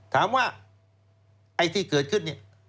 ถามว่าไอ้ที่เกิดขึ้น